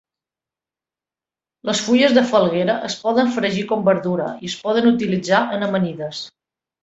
Les fulles de falguera es poden fregir com "verdura" o es poden utilitzar en amanides.